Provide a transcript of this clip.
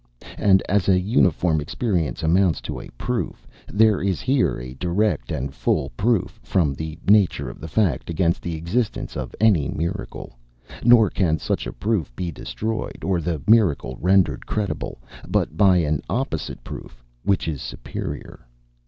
And as an uniform experience amounts to a proof, there is here a direct and full proof, from the nature of the fact, against the existence of any miracle; nor can such a proof be destroyed, or the miracle rendered credible, but by an opposite proof which is superior.